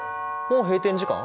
もう閉店時間？